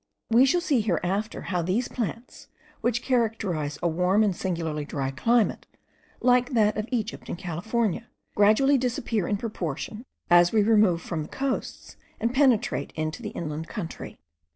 We shall see hereafter how these plants, which characterize a warm and singularly dry climate, like that of Egypt and California, gradually disappear in proportion as we remove from the coasts, and penetrate into the inland country.